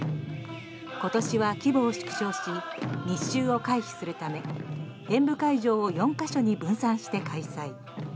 今年は規模を縮小し密集を回避するため演舞会場を４か所に分散して開催。